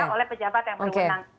oleh pejabat yang berwenang